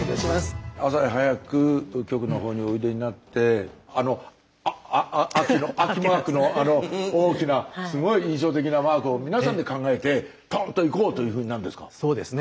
朝早く局のほうにおいでになってあの秋マークのあの大きなすごい印象的なマークを皆さんで考えてトンといこう！というふうになるんですか。